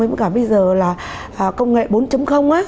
bây giờ là công nghệ bốn